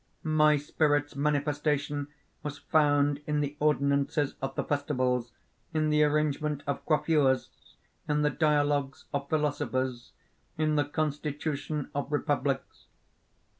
My spirit's manifestation was found in the ordinances of the festivals, in the arrangement of coiffures, in the dialogues of philosophers, in the constitution of republics.